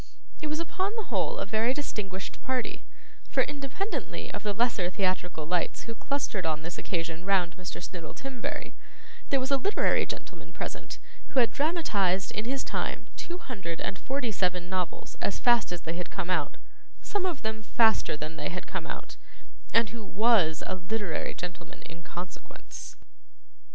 It was upon the whole a very distinguished party, for independently of the lesser theatrical lights who clustered on this occasion round Mr. Snittle Timberry, there was a literary gentleman present who had dramatised in his time two hundred and forty seven novels as fast as they had come out some of them faster than they had come out and who WAS a literary gentleman in consequence.